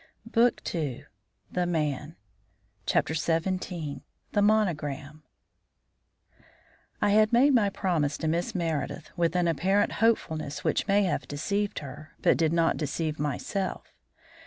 BOOK II THE MAN XVII THE MONOGRAM I had made my promise to Miss Meredith with an apparent hopefulness which may have deceived her, but did not deceive myself.